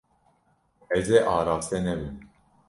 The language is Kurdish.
Ez ê araste nebim.